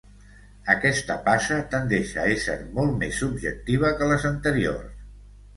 Aquesta passa tendeix a ésser molt més subjectiva que les anteriors.